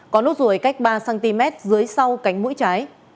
có nốt ruồi cách ba cm dưới sau cánh mũi trái